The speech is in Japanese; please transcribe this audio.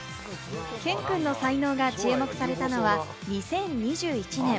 ＫＥＮくんの才能が注目されたのは２０２１年。